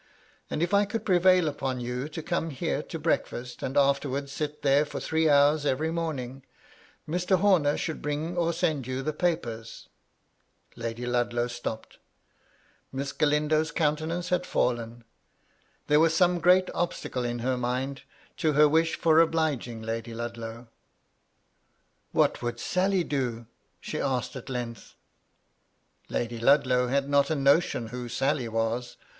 and if I could prevail upon you to come here to breakfast and afterwards sit there for three hours every morning, Mr. Homer should bring or send you the papers " Lady Ludlow stopped. Miss Galindo's countenance MY LADY LUDLOW. 215 had fallen. There was some great obstacle in her mind to her wish for obliging Lady Ludlow. "What would Sally do?" she asked at length. Lady Ludlow had not a notion who Sally was.